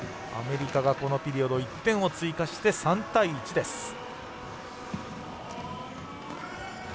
アメリカがこのピリオドで１点を追加して、３対１です。